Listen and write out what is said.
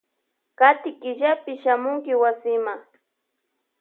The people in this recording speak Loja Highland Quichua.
Kati killapi shamunki wasima.